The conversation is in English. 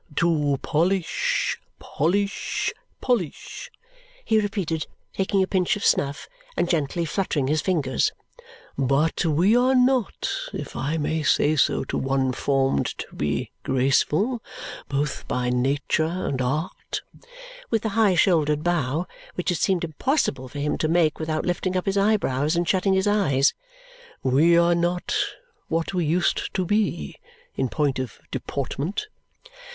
"To polish polish polish!" he repeated, taking a pinch of snuff and gently fluttering his fingers. "But we are not, if I may say so to one formed to be graceful both by Nature and Art " with the high shouldered bow, which it seemed impossible for him to make without lifting up his eyebrows and shutting his eyes " we are not what we used to be in point of deportment."